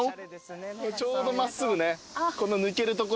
ちょうど真っすぐねこの抜ける所でね。